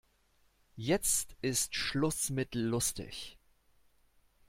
Jetzt ist Schluss mit lustig.